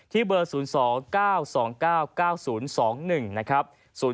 เบอร์๐๒๙๒๙๙๐๒๑นะครับ